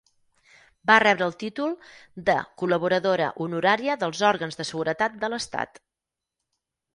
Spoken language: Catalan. Va rebre el títol de Col·laboradora Honoraria dels Òrgans de Seguretat de l'Estat.